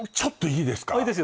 いいですよ